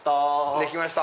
できました！